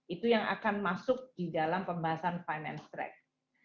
itu yang akan masuk di dalam pembahasan finance track